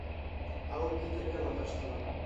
Алып китергә маташтылар.